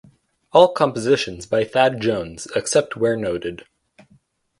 All compositions by Thad Jones except where noted